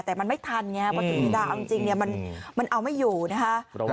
แต่มันไม่ทันไงเพราะถุงพิดาจริงมันเอาไม่อยู่นะคะ